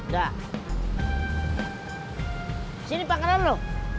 dah sini pak nardo